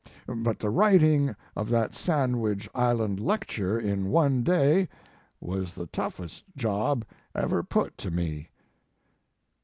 But the writing of that Sandwich Island lecture in one day was the toughest job ever put on me."